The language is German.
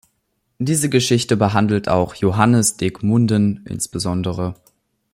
Diese Geschichte behandelt auch Joannes de Gmunden, insb.